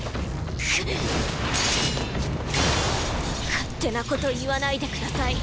勝手なこと言わないでください。